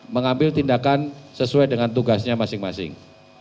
mengambil tindakan sesuai dengan tugasnya masing masing